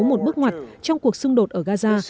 một bước ngoặt trong cuộc xung đột ở gaza